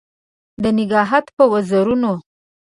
د نګهت په وزرونو